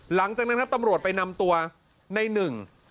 หลังจากนั้นครับตำรวจไปนำตัวในหนึ่ง